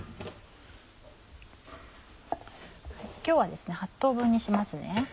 今日は８等分にします。